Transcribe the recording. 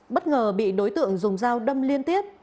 bất ngờ bị đối tượng dùng dao đâm liên tiếp